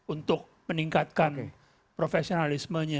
untuk meningkatkan profesionalismenya